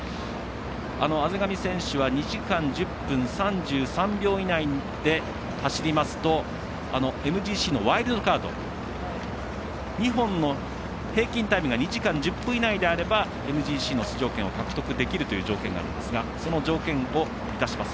畔上選手は２時間１０分３３秒以内で走りますとＭＧＣのワイルドカード２本の平均タイムが２時間１０分以内であればＭＧＣの出場権を獲得できるという条件があるんですがその条件を満たします。